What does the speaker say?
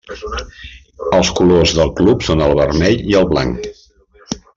Els colors del club són el vermell i el blanc.